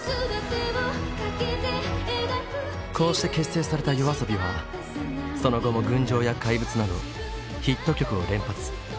こうして結成されたＹＯＡＳＯＢＩはその後も「群青」や「怪物」などヒット曲を連発。